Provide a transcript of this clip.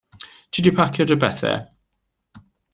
Ti 'di pacio dy betha?